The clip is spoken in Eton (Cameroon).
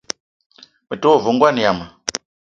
Me te wa ve ngoan yama.